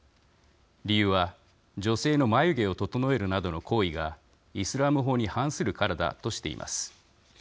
理由は、女性の眉毛を整えるなどの行為がイスラム法に反するからだとしています。